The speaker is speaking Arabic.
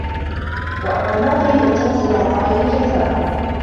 وَأَمَّا الْمُعْطِي إذَا الْتَمَسَ بِعَطَائِهِ الْجَزَاءَ